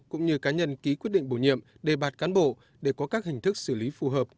cũng như cá nhân ký quyết định bổ nhiệm đề bạt cán bộ để có các hình thức xử lý phù hợp